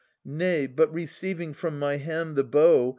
Nay, but receiving from my hand the bow.